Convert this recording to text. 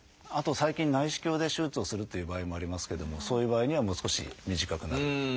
あと最近内視鏡で手術をするっていう場合もありますけれどもそういう場合にはもう少し短くなると。